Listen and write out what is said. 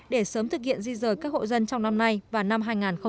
để sớm thực hiện di rời các hộ dân trong năm nay và năm hai nghìn một mươi tám